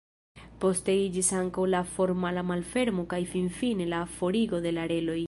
Poste iĝis ankaŭ la formala malfermo kaj finfine la forigo de la reloj.